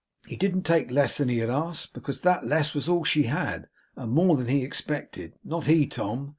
HE didn't take less than he had asked, because that less was all she had, and more than he expected; not he, Tom!